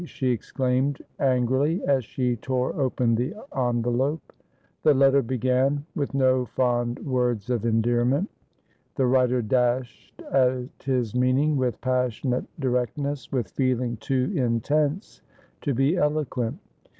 she exclaimed angrily, as she tore open the envelope. The letter began with no fond words of endearment. The writer dashed at his meaning with passionate directness, with feeling too intense to be eloquent.